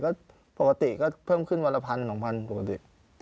ก็ปกติก็เพิ่มขึ้นวันละพันสองพันปกติ